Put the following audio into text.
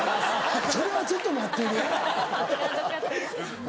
それはちょっと待ってね。